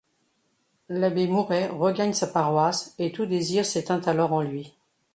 L’abbé Mouret regagne sa paroisse, et tout désir s’éteint alors en lui.